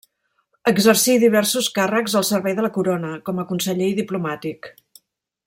Exercí diversos càrrecs al servei de la Corona, com a conseller i diplomàtic.